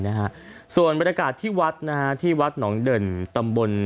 นะฮะส่วนบรรยากาศที่วัดนะฮะที่วัดหนองเด่นตำบล